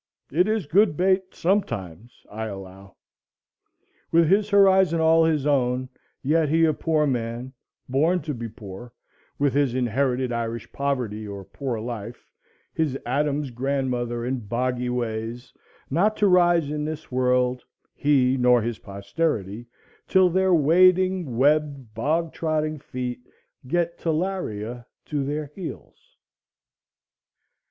It is good bait sometimes, I allow. With his horizon all his own, yet he a poor man, born to be poor, with his inherited Irish poverty or poor life, his Adam's grandmother and boggy ways, not to rise in this world, he nor his posterity, till their wading webbed bog trotting feet get talaria to their heels.